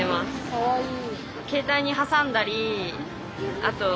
かわいい。